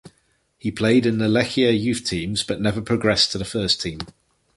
He played in the Lechia youth teams but never progressed to the first team.